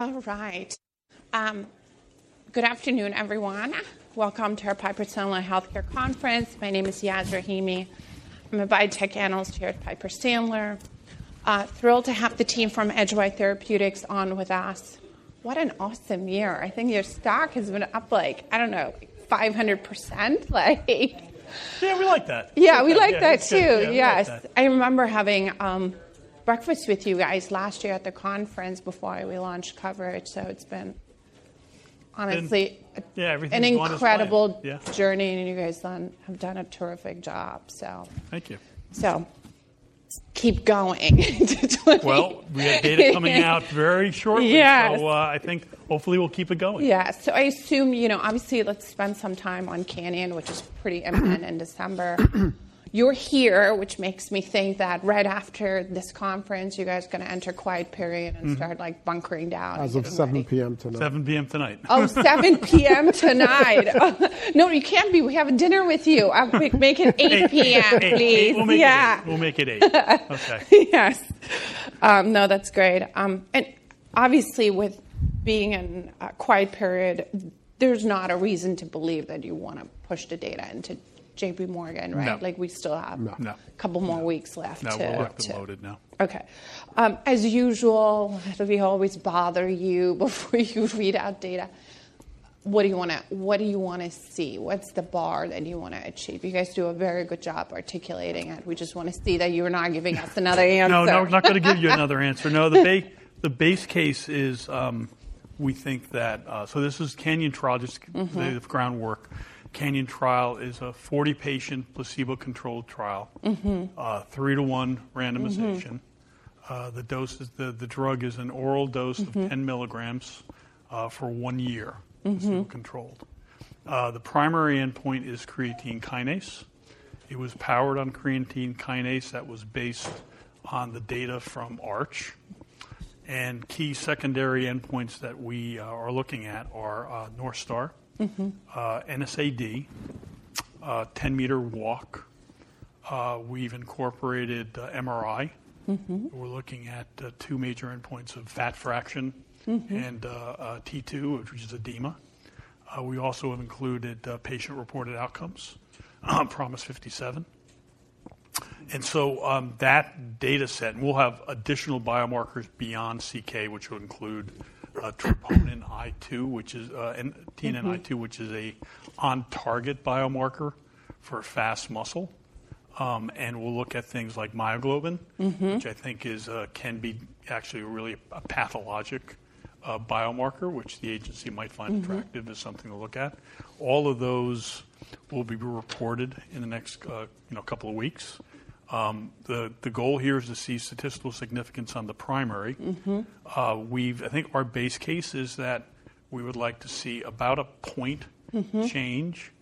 All right. Good afternoon, everyone. Welcome to our Piper Sandler Healthcare Conference. My name is Yas Rahimi. I'm a biotech analyst here at Piper Sandler. Thrilled to have the team from Edgewise Therapeutics on with us. What an awesome year. I think your stock has been up like, I don't know, 500%. Yeah, we like that. Yeah, we like that too. Yes. I remember having breakfast with you guys last year at the conference before we launched coverage. So it's been, honestly. Yeah, everything's gone as planned. An incredible journey, and you guys have done a terrific job. Thank you. Keep going. Well, we have data coming out very shortly. So I think hopefully we'll keep it going. Yeah, so I assume, you know, obviously let's spend some time on CANYON, which is pretty imminent in December. You're here, which makes me think that right after this conference, you guys are going to enter a quiet period and start hunkering down. As of 7:00 P.M. tonight. 7:00 P.M. tonight. Oh, 7:00 P.M. tonight. No, you can't be. We have dinner with you. Make it 8:00 P.M., please. We'll make it 8:00. Yes. No, that's great. And obviously, with being in a quiet period, there's not a reason to believe that you want to push the data into JPMorgan, right? Like we still have a couple more weeks left to. No, we're locked and loaded now. OK. As usual, we always bother you before you read out data. What do you want to see? What's the bar that you want to achieve? You guys do a very good job articulating it. We just want to see that you're not giving us another answer. No, we're not going to give you another answer. No, the base case is we think that so this is CANYON trial. Just the groundwork. CANYON trial is a 40-patient placebo-controlled trial, 3-to-1 randomization. The drug is an oral dose of 10 mg for one year, still controlled. The primary endpoint is creatine kinase. It was powered on creatine kinase that was based on the data from ARCH. And key secondary endpoints that we are looking at are North Star, NSAD, 10-meter walk. We've incorporated MRI. We're looking at two major endpoints of fat fraction and T2, which is edema. We also have included patient-reported outcomes, PROMIS-57. And so that data set, and we'll have additional biomarkers beyond CK, which will include troponin I2, which is TNNI2, which is an on-target biomarker for fast muscle. We'll look at things like myoglobin, which I think can be actually really a pathologic biomarker, which the agency might find attractive as something to look at. All of those will be reported in the next couple of weeks. The goal here is to see statistical significance on the primary. I think our base case is that we would like to see about a point change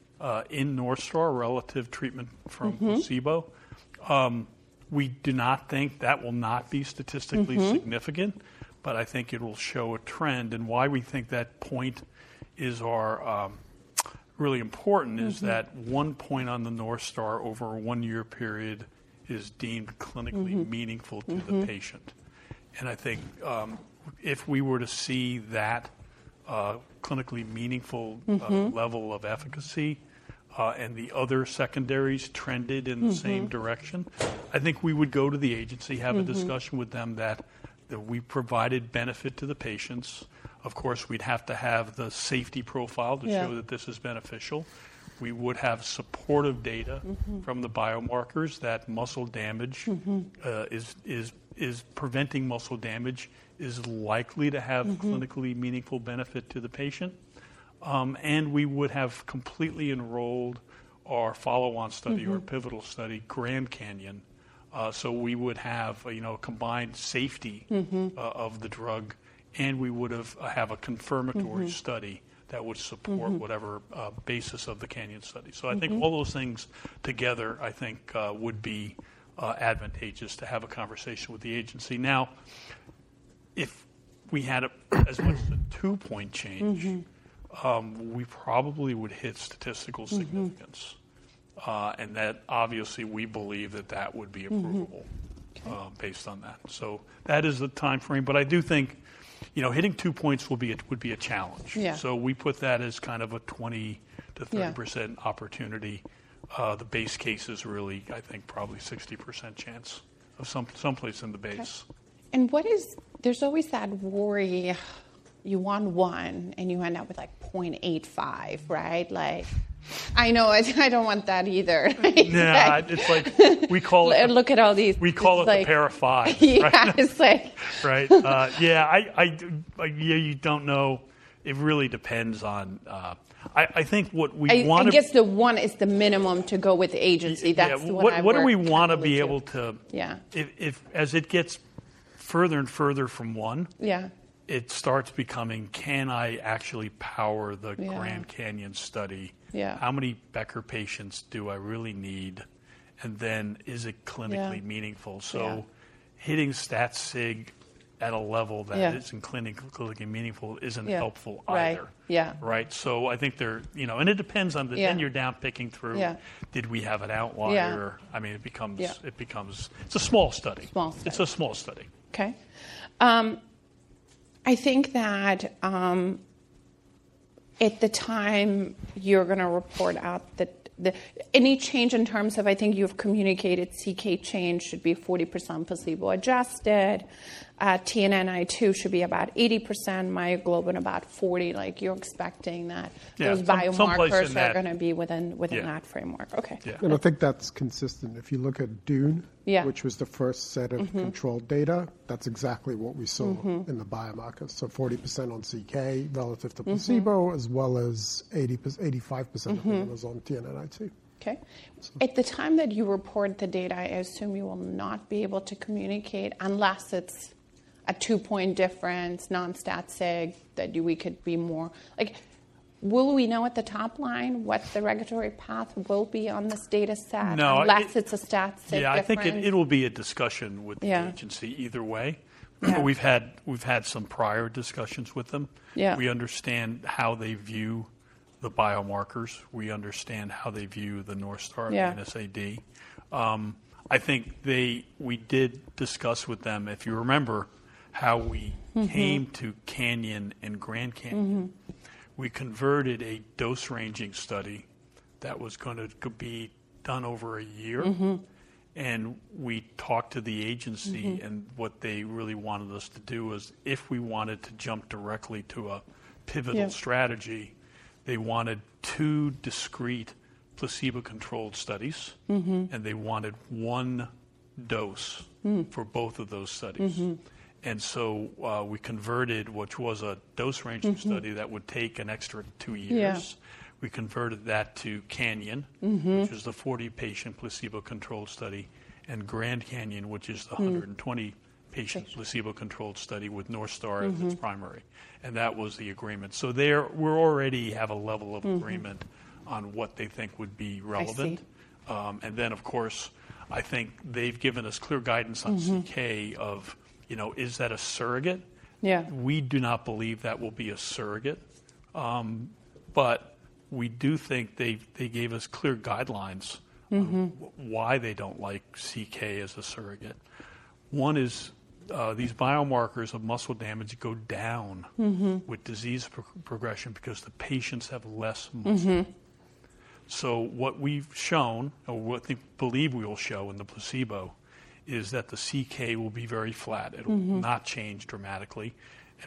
in North Star relative treatment from placebo. We do not think that will not be statistically significant, but I think it will show a trend. Why we think that point is really important is that one point on the North Star over a one-year period is deemed clinically meaningful to the patient. I think if we were to see that clinically meaningful level of efficacy and the other secondaries trended in the same direction, I think we would go to the agency, have a discussion with them that we provided benefit to the patients. Of course, we'd have to have the safety profile to show that this is beneficial. We would have supportive data from the biomarkers that preventing muscle damage is likely to have clinically meaningful benefit to the patient. We would have completely enrolled our follow-on study, our pivotal study, GRAND CANYON. We would have a combined safety of the drug, and we would have a confirmatory study that would support whatever basis of the CANYON study. All those things together, I think, would be advantageous to have a conversation with the agency. Now, if we had as much as a two-point change, we probably would hit statistical significance. And that, obviously, we believe that that would be approval based on that. So that is the time frame. But I do think hitting two points would be a challenge. So we put that as kind of a 20%-30% opportunity. The base case is really, I think, probably 60% chance of someplace in the base. And there's always that worry. You want one, and you end up with like 0.85, right? I know. I don't want that either. Yeah. It's like we call it. Look at all these. We call it the periphery. Yeah. Right? Yeah. You don't know. It really depends on I think what we want to. I think if the one is the minimum to go with the agency, that's what I mean. What do we want to be able to as it gets further and further from one? It starts becoming, can I actually power the GRAND CANYON study? How many Becker patients do I really need? And then is it clinically meaningful? So hitting stat sig at a level that isn't clinically meaningful isn't helpful either. Right? So I think there, and it depends on the, then you're down picking through, did we have an outlier? I mean, it becomes it's a small study. Small study. It's a small study. OK. I think that at the time you're going to report out any change in terms of I think you've communicated CK change should be 40% placebo-adjusted. TNNI2 should be about 80%, myoglobin about 40%. Like you're expecting that those biomarkers are going to be within that framework. OK. I think that's consistent. If you look at DUNE, which was the first set of controlled data, that's exactly what we saw in the biomarkers. 40% on CK relative to placebo, as well as 85% of those on TNNI2. OK. At the time that you report the data, I assume you will not be able to communicate unless it's a two-point difference, non-stat sig, that we could be more. Will we know at the top line what the regulatory path will be on this data set unless it's a stat sig difference? Yeah. I think it will be a discussion with the agency either way. We've had some prior discussions with them. We understand how they view the biomarkers. We understand how they view the North Star and NSAD. I think we did discuss with them, if you remember, how we came to CANYON and GRAND CANYON. We converted a dose-ranging study that was going to be done over a year. And we talked to the agency. And what they really wanted us to do is if we wanted to jump directly to a pivotal strategy, they wanted two discrete placebo-controlled studies, and they wanted one dose for both of those studies. And so we converted what was a dose-ranging study that would take an extra two years. We converted that to CANYON, which was the 40-patient placebo-controlled study, and GRAND CANYON, which is the 120-patient placebo-controlled study with North Star as its primary. That was the agreement. So we already have a level of agreement on what they think would be relevant. Then, of course, I think they've given us clear guidance on CK of, is that a surrogate? We do not believe that will be a surrogate. But we do think they gave us clear guidelines on why they don't like CK as a surrogate. One is these biomarkers of muscle damage go down with disease progression because the patients have less muscle. So what we've shown, or what we believe we will show in the placebo, is that the CK will be very flat. It will not change dramatically.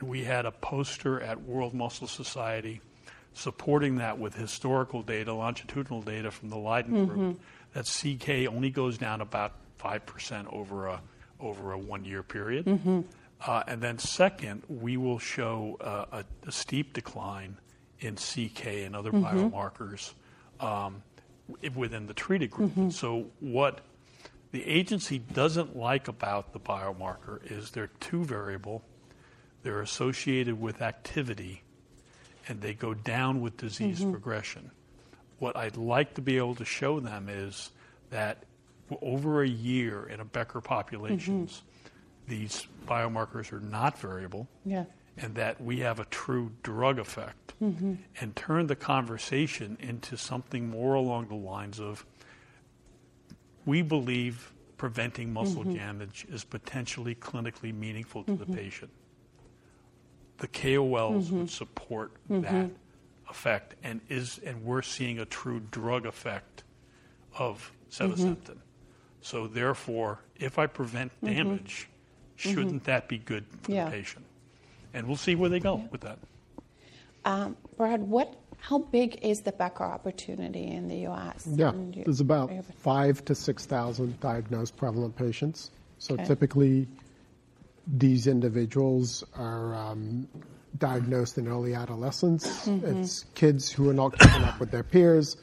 We had a poster at The World Muscle Society supporting that with historical data, longitudinal data from the Leiden group, that CK only goes down about 5% over a one-year period. And then, second, we will show a steep decline in CK and other biomarkers within the treated group. So what the agency doesn't like about the biomarker is they're too variable. They're associated with activity, and they go down with disease progression. What I'd like to be able to show them is that over a year in Becker populations, these biomarkers are not variable, and that we have a true drug effect, and turn the conversation into something more along the lines of we believe preventing muscle damage is potentially clinically meaningful to the patient. The KOLs would support that effect. And we're seeing a true drug effect of sevasemten. So therefore, if I prevent damage, shouldn't that be good for the patient? And we'll see where they go with that. Behrad, how big is the Becker opportunity in the U.S.? Yeah. There's about 5,000-6,000 diagnosed prevalent patients. So typically, these individuals are diagnosed in early adolescence. It's kids who are not keeping up with their peers.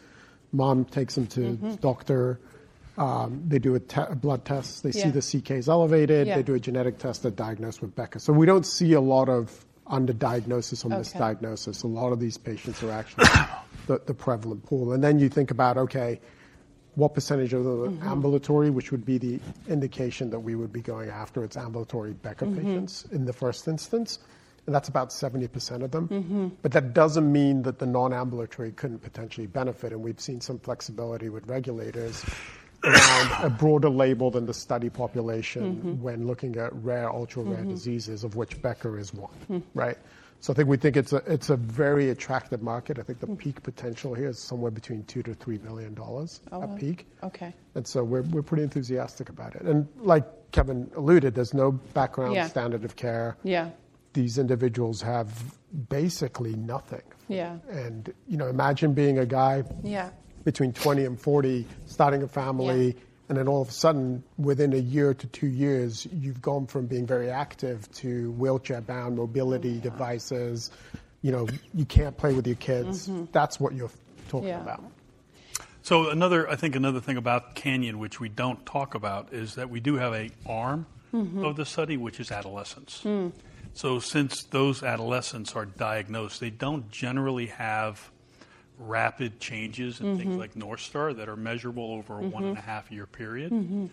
Mom takes them to the doctor. They do a blood test. They see the CK is elevated. They do a genetic test that diagnosed with Becker. So we don't see a lot of underdiagnosis on this diagnosis. A lot of these patients are actually the prevalent pool. And then you think about, OK, what percentage of the ambulatory, which would be the indication that we would be going after, it's ambulatory Becker patients in the first instance. And that's about 70% of them. But that doesn't mean that the non-ambulatory couldn't potentially benefit. And we've seen some flexibility with regulators around a broader label than the study population when looking at rare, ultra-rare diseases, of which Becker is one. So I think we think it's a very attractive market. I think the peak potential here is somewhere between $2-$3 billion a peak. And so we're pretty enthusiastic about it. And like Kevin alluded, there's no background standard of care. These individuals have basically nothing. And imagine being a guy between 20 and 40, starting a family, and then all of a sudden, within a year to two years, you've gone from being very active to wheelchair-bound, mobility devices. You can't play with your kids. That's what you're talking about. So I think another thing about CANYON, which we don't talk about, is that we do have an arm of the study, which is adolescents. So since those adolescents are diagnosed, they don't generally have rapid changes in things like North Star that are measurable over a one-and-a-half-year period.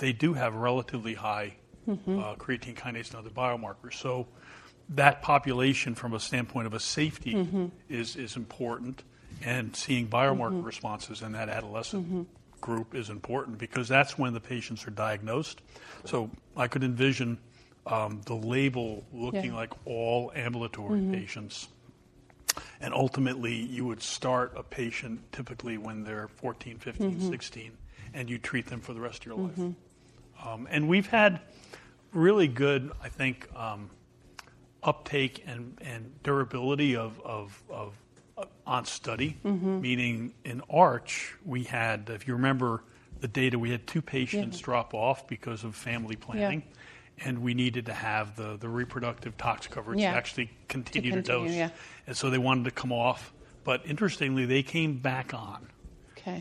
They do have relatively high creatine kinase and other biomarkers. That population from a standpoint of a safety is important. Seeing biomarker responses in that adolescent group is important because that's when the patients are diagnosed. I could envision the label looking like all ambulatory patients. Ultimately, you would start a patient typically when they're 14, 15, 16, and you treat them for the rest of your life. We've had really good, I think, uptake and durability on study. Meaning in ARCH, we had, if you remember the data, we had two patients drop off because of family planning. We needed to have the reproductive toxicology coverage to actually continue the dose. So they wanted to come off. But interestingly, they came back on,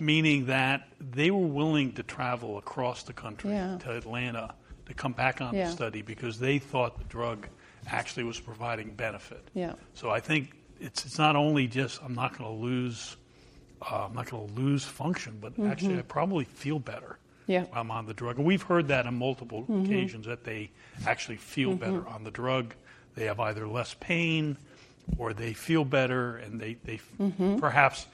meaning that they were willing to travel across the country to Atlanta to come back on the study because they thought the drug actually was providing benefit. So I think it's not only just, I'm not going to lose function, but actually, I probably feel better when I'm on the drug. And we've heard that on multiple occasions, that they actually feel better on the drug. They have either less pain or they feel better. And perhaps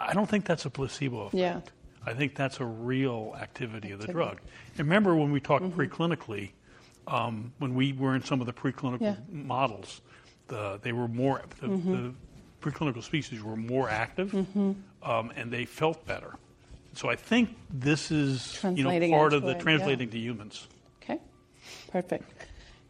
I don't think that's a placebo effect. I think that's a real activity of the drug. And remember when we talked preclinically, when we were in some of the preclinical models, the preclinical species were more active, and they felt better. So I think this is part of the translating to humans. OK. Perfect.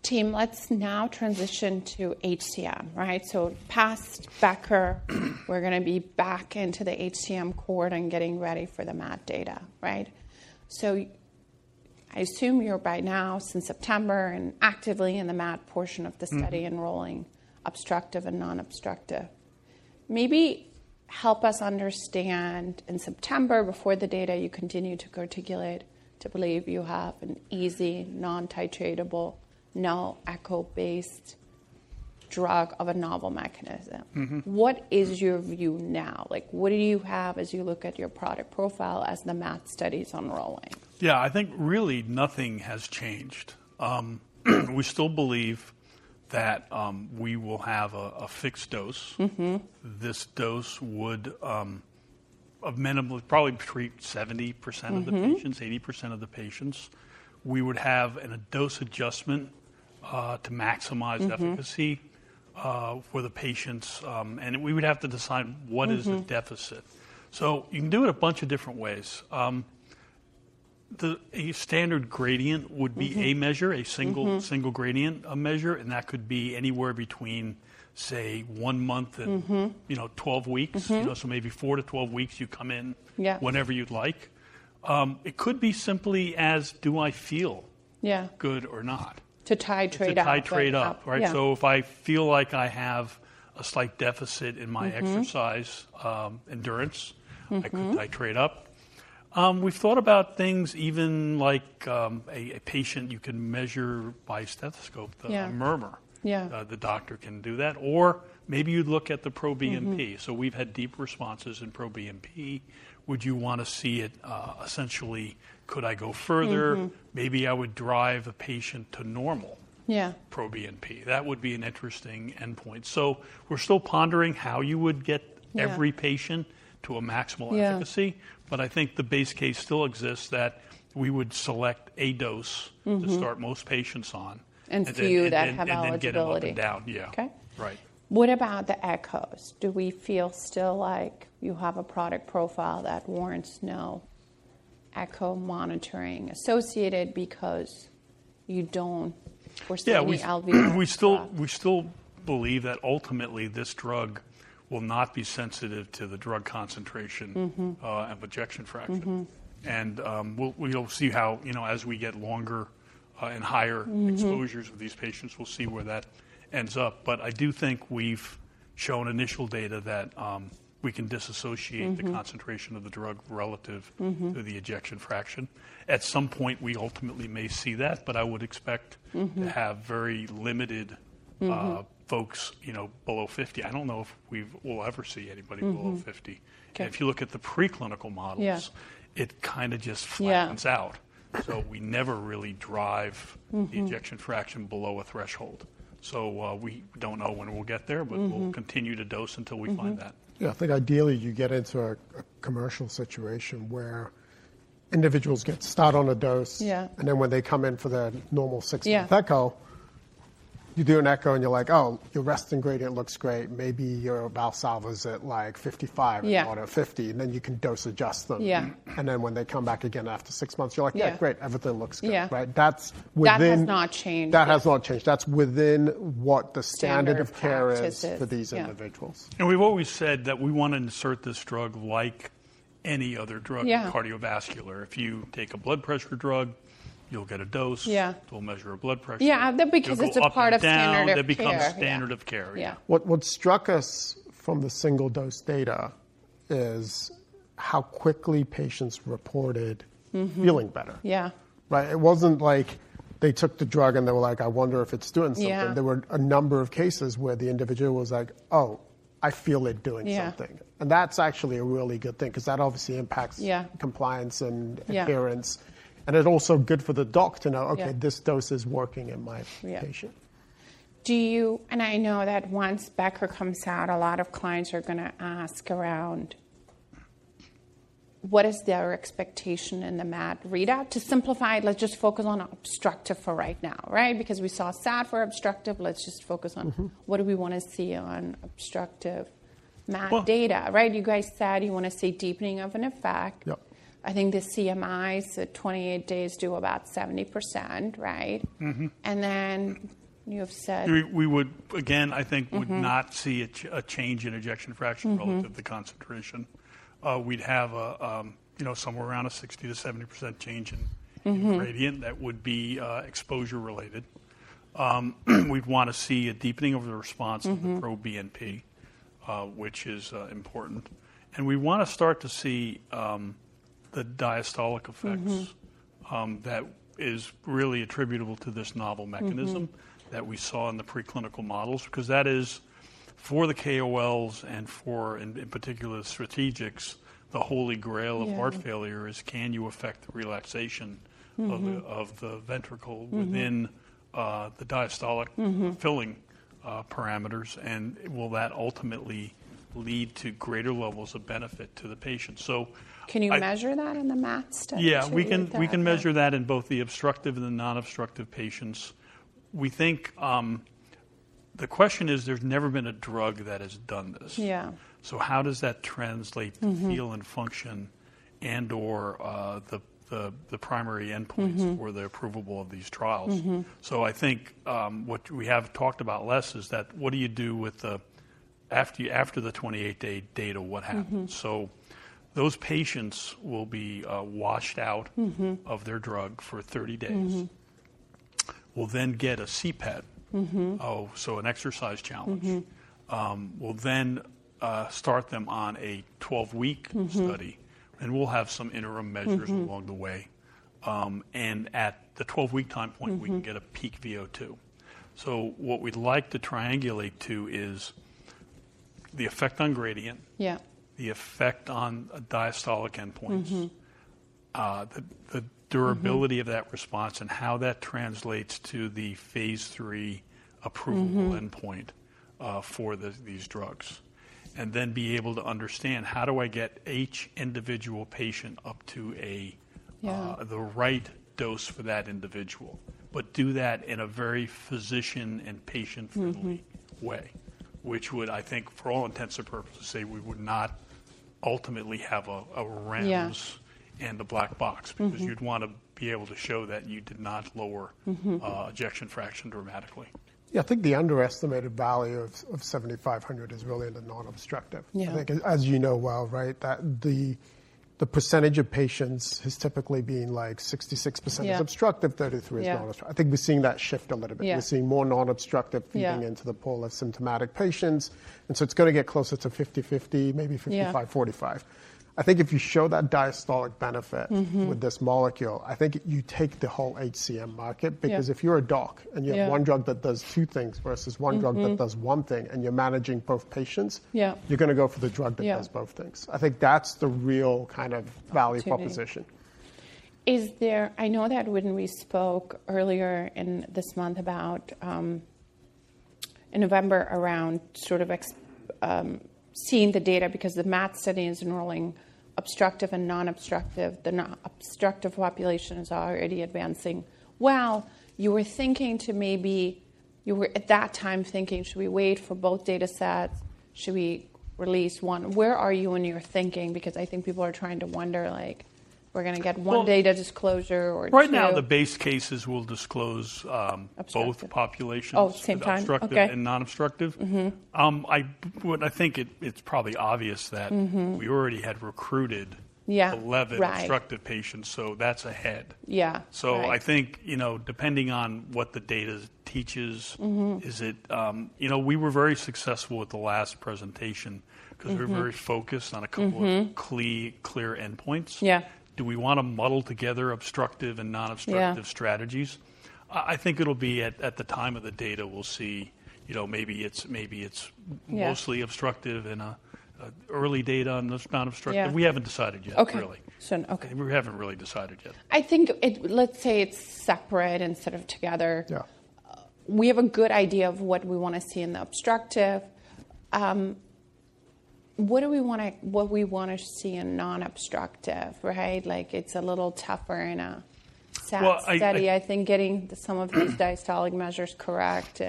Team, let's now transition to HCM, right? So past Becker, we're going to be back into the HCM cohort and getting ready for the MAD data, right? So I assume you're by now, since September, actively in the MAD portion of the study enrolling obstructive and non-obstructive. Maybe help us understand in September, before the data, you continue to go to Gilead to believe you have an easy, non-titratable, no-echo based drug of a novel mechanism. What is your view now? What do you have as you look at your product profile as the MAD study is enrolling? Yeah. I think really nothing has changed. We still believe that we will have a fixed dose. This dose would probably treat 70% of the patients, 80% of the patients. We would have a dose adjustment to maximize efficacy for the patients. And we would have to decide what is the deficit. So you can do it a bunch of different ways. A standard gradient would be a measure, a single gradient measure. And that could be anywhere between, say, one month and 12 weeks. So maybe four to 12 weeks, you come in whenever you'd like. It could be simply as, do I feel good or not? To titrate up. To titrate up, right? So if I feel like I have a slight deficit in my exercise endurance, I could titrate up. We've thought about things even like a patient you can measure by stethoscope, the murmur. The doctor can do that. Or maybe you'd look at the proBNP. So we've had deep responses in proBNP. Would you want to see it essentially, could I go further? Maybe I would drive a patient to normal proBNP. That would be an interesting endpoint. So we're still pondering how you would get every patient to a maximal efficacy. But I think the base case still exists that we would select a dose to start most patients on. To you, that have eligibility. And then get them down, yeah. Right. What about the echoes? Do we feel still like you have a product profile that warrants no echo monitoring associated because you don't or still need LVEF? We still believe that ultimately this drug will not be sensitive to the drug concentration of ejection fraction, and we'll see how as we get longer and higher exposures with these patients, we'll see where that ends up, but I do think we've shown initial data that we can dissociate the concentration of the drug relative to the ejection fraction. At some point, we ultimately may see that, but I would expect to have very limited folks below 50. I don't know if we will ever see anybody below 50. If you look at the preclinical models, it kind of just flattens out, so we never really drive the ejection fraction below a threshold, so we don't know when we'll get there, but we'll continue to dose until we find that. Yeah. I think ideally, you get into a commercial situation where individuals get started on a dose. And then when they come in for the normal six-month echo, you do an echo, and you're like, oh, your resting gradient looks great. Maybe your Valsalva is at like 55 or 50. And then you can dose adjust them. And then when they come back again after six months, you're like, yeah, great, everything looks good, right? That has not changed. That has not changed. That's within what the standard of care is for these individuals. And we've always said that we want to insert this drug like any other drug, cardiovascular. If you take a blood pressure drug, you'll get a dose. We'll measure your blood pressure. Yeah, because it's a part of standard of care. It becomes standard of care, yeah. What struck us from the single-dose data is how quickly patients reported feeling better. Yeah. Right? It wasn't like they took the drug and they were like, I wonder if it's doing something. There were a number of cases where the individual was like, oh, I feel it doing something. And that's actually a really good thing because that obviously impacts compliance and adherence. And it's also good for the doc to know, OK, this dose is working in my patient. Do you and I know that once Becker comes out, a lot of clients are going to ask around what is their expectation in the MAD readout? To simplify, let's just focus on obstructive for right now, right? Because we saw SAD for obstructive, let's just focus on what do we want to see on obstructive MAD data, right? You guys said you want to see deepening of an effect. I think the CMIs at 28 days do about 70%, right? And then you have said. We would, again, I think would not see a change in ejection fraction relative to concentration. We'd have somewhere around a 60%-70% change in gradient that would be exposure related. We'd want to see a deepening of the response to the proBNP, which is important, and we want to start to see the diastolic effects that is really attributable to this novel mechanism that we saw in the preclinical models. Because that is, for the KOLs and for, in particular, the strategics, the Holy Grail of heart failure is, can you affect the relaxation of the ventricle within the diastolic filling parameters, and will that ultimately lead to greater levels of benefit to the patient? Can you measure that in the MAD studies? Yeah, we can measure that in both the obstructive and the non-obstructive patients. We think the question is there's never been a drug that has done this. So how does that translate to feel and function and/or the primary endpoints for the approval of these trials? So I think what we have talked about less is that what do you do with the after the 28-day data, what happens? So those patients will be washed out of their drug for 30 days. We'll then get a CPET, so an exercise challenge. We'll then start them on a 12-week study, and we'll have some interim measures along the way, and at the 12-week time point, we can get a peak VO2. So what we'd like to triangulate to is the effect on gradient, the effect on diastolic endpoints, the durability of that response, and how that translates to the phase III approval endpoint for these drugs. And then be able to understand how do I get each individual patient up to the right dose for that individual. But do that in a very physician and patient-friendly way, which would, I think, for all intents and purposes, say we would not ultimately have a random and a black box. Because you'd want to be able to show that you did not lower ejection fraction dramatically. Yeah. I think the underestimated value of 7500 is really in the non-obstructive. I think, as you know well, right, the percentage of patients is typically being like 66% is obstructive, 33% is non-obstructive. I think we're seeing that shift a little bit. We're seeing more non-obstructive feeding into the pool of symptomatic patients, and so it's going to get closer to 50/50, maybe 55/45. I think if you show that diastolic benefit with this molecule, I think you take the whole HCM market. Because if you're a doc and you have one drug that does two things versus one drug that does one thing, and you're managing both patients, you're going to go for the drug that does both things. I think that's the real kind of value proposition. I know that when we spoke earlier in this month about in November around sort of seeing the data. Because the MAD study is enrolling obstructive and non-obstructive. The obstructive population is already advancing well. You were thinking to maybe you were at that time thinking, should we wait for both data sets? Should we release one? Where are you in your thinking? Because I think people are trying to wonder, like, we're going to get one data disclosure or two. Right now, the base cases will disclose both populations, obstructive and non-obstructive. I think it's probably obvious that we already had recruited 11 obstructive patients. So that's ahead. Yeah. So I think depending on what the data teaches, is it? We were very successful with the last presentation because we were very focused on a couple of clear endpoints. Do we want to muddle together obstructive and non-obstructive strategies? I think it'll be at the time of the data, we'll see. Maybe it's mostly obstructive in an early data on this non-obstructive. We haven't decided yet, really. We haven't really decided yet. I think let's say it's separate instead of together. We have a good idea of what we want to see in the obstructive. What do we want to see in non-obstructive, right? Like it's a little tougher in a SAD study, I think, getting some of these diastolic measures correct.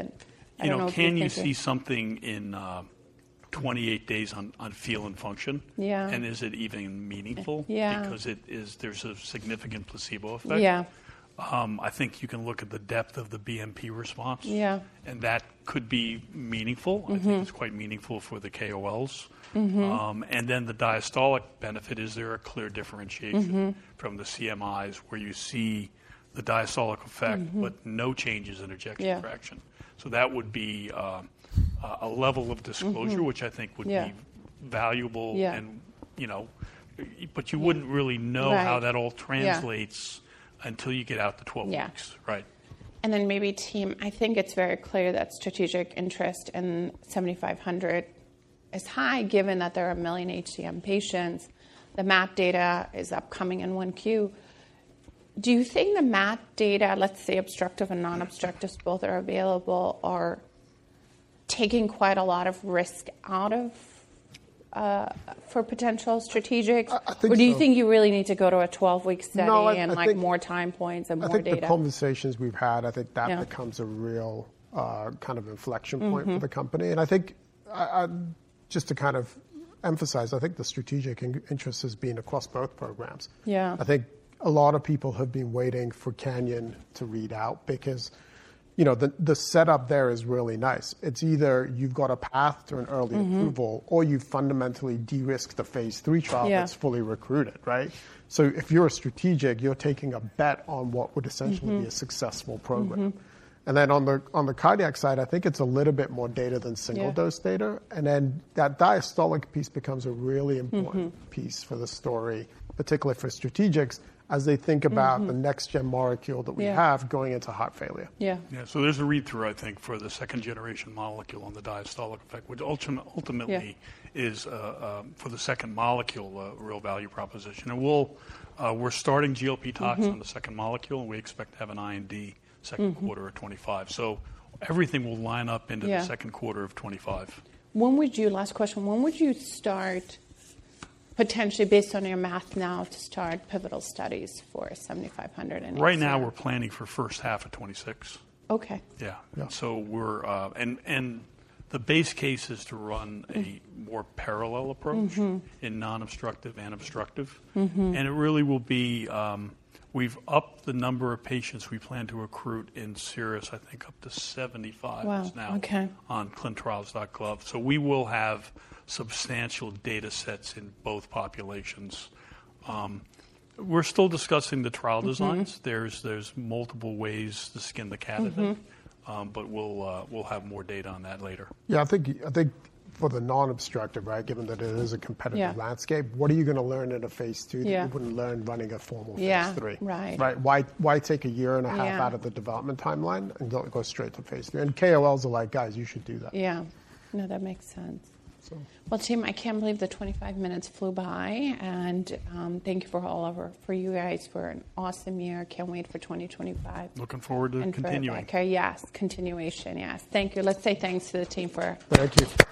Can you see something in 28 days on feel and function, and is it even meaningful because there's a significant placebo effect? I think you can look at the depth of the BNP response, and that could be meaningful. I think it's quite meaningful for the KOLs, and then the diastolic benefit. Is there a clear differentiation from the CMIs where you see the diastolic effect but no changes in ejection fraction? So that would be a level of disclosure, which I think would be valuable, but you wouldn't really know how that all translates until you get out the 12 weeks, right? Then maybe, team, I think it's very clear that strategic interest in EDG-7500 is high, given that there are a million HCM patients. The MAD data is upcoming in 1Q. Do you think the MAD data, let's say obstructive and non-obstructive, both are available, are taking quite a lot of risk out of for potential strategic? Or do you think you really need to go to a 12-week study and more time points and more data? I think the conversations we've had, I think that becomes a real kind of inflection point for the company. And I think just to kind of emphasize, I think the strategic interest has been across both programs. I think a lot of people have been waiting for CANYON to read out. Because the setup there is really nice. It's either you've got a path to an early approval, or you fundamentally de-risk the phase III trial that's fully recruited, right? So if you're strategic, you're taking a bet on what would essentially be a successful program. And then on the cardiac side, I think it's a little bit more data than single-dose data. And then that diastolic piece becomes a really important piece for the story, particularly for strategics, as they think about the next-gen molecule that we have going into heart failure. Yeah. So there's a read-through, I think, for the second-generation molecule on the diastolic effect, which ultimately is for the second molecule a real value proposition. And we're starting GLP toxicology on the second molecule. And we expect to have an IND second quarter of 2025. So everything will line up into the second quarter of 2025. Last question, when would you start potentially, based on your math now, to start pivotal studies for 7500? Right now, we're planning for first half of 2026. Yeah. And the base case is to run a more parallel approach in non-obstructive and obstructive. And it really will be we've upped the number of patients we plan to recruit in CIRRUS-HCM, I think, up to 75 now on ClinicalTrials.gov. So we will have substantial data sets in both populations. We're still discussing the trial designs. There's multiple ways to skin the cat. But we'll have more data on that later. Yeah. I think for the non-obstructive, right, given that it is a competitive landscape, what are you going to learn in a phase II that you wouldn't learn running a formal phase III? Why take a year and a half out of the development timeline and go straight to phase III? And KOLs are like, guys, you should do that. Yeah, no, that makes sense. Well, team, I can't believe the 25 minutes flew by, and thank you for all of your guys for an awesome year. Can't wait for 2025. Looking forward to continuing. Yes, continuation. Yes, thank you. Let's say thanks to the team for. Thank you.